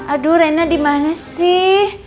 aduh reina dimana sih